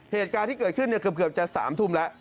เหตุการณ์ที่เกิดขึ้นเนี่ยเกือบจะสามทุ่มละ